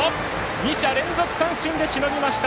２者連続三振でしのぎました！